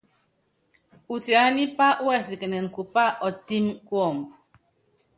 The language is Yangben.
Utiánipá wɛsikɛnɛn bupá ɔtɛ́m kuɔmb.